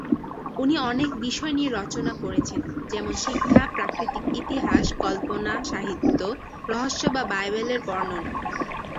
উনি অনেক বিষয় নিয়ে রচনা করেছেন, যেমন শিক্ষা, প্রাকৃতিক ইতিহাস, কল্পনা সাহিত্য, রহস্য বা বাইবেলের বর্ণনা।